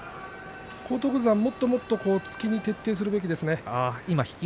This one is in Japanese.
荒篤山はもっともっと突きに徹底するべきですね。